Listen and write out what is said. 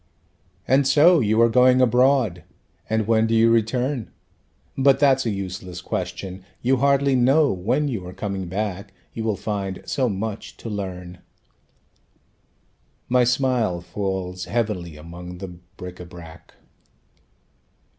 "And so you are going abroad; and when do you return? But that's a useless question. You hardly know when you are coming back, You will find so much to learn." My smile falls heavily among the bric ├Ā brac.